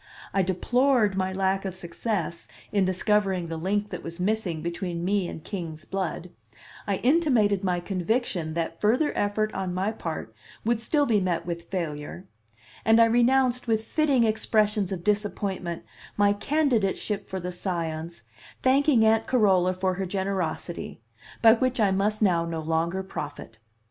I deplored my lack of success in discovering the link that was missing between me and king's blood; I intimated my conviction that further effort on my part would still be met with failure; and I renounced with fitting expressions of disappointment my candidateship for the Scions thanking Aunt Carola for her generosity, by which I must now no longer profit.